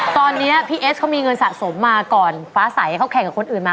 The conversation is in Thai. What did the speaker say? ตอนนี้พี่เอสเขามีเงินสะสมมาก่อนฟ้าใสเขาแข่งกับคนอื่นมา